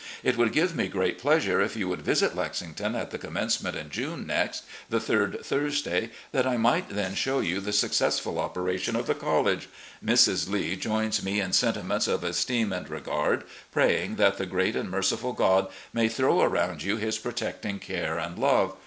It would give me great pleasure if you would visit Lexington at the commence ment in June next, the third Thursday, that I might then show you the successful operation of the college. Mrs. Lee joins me in sentiments of esteem and regard, praying that the great and merciful God may throw aroimd you His protecting care and love.